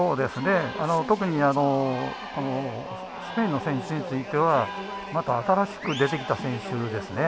特にスペインの選手についてはまた新しく出てきた選手ですね。